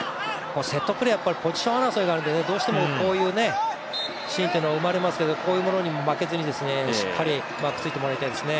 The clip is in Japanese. セットプレーはポジション争いがありますのでどうしてもこういうシーンというのは生まれますけどこういうものに負けずに、しっかりマークついてもらいたいですね。